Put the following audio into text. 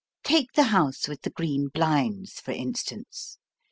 Take the house with the green blinds for instance.